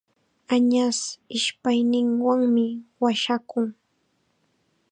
Añas ishpayninwanmi washakun.